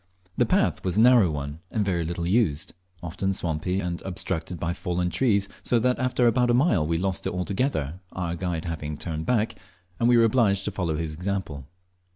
The path was a narrow one, and very little used, often swampy and obstructed by fallen trees, so that after about a mile we lost it altogether, our guide having turned back, and we were obliged to follow his example.